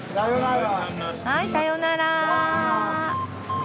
はいさよなら。